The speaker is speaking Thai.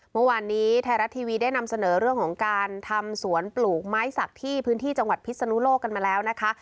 เมื่อวานนี้ไทยรัฐทีวีได้นำเสนอเรื่องของการทำสวนปลูกไม้สักที่พื้นที่จังหวัดพิศนุโลกกันมาแล้วนะคะ